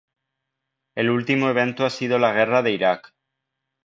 El último evento ha sido la guerra de Irak.